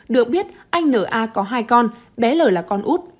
được biết anh n a có hai con bé l là con út